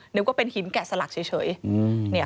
นึกว่าเป็นหินแกะสลักเฉย